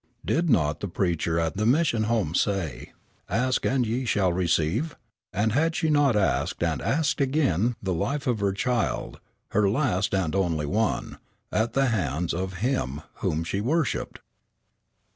Did not the preacher at the Mission Home say: "Ask, and ye shall receive?" and had she not asked and asked again the life of her child, her last and only one, at the hands of Him whom she worshipped?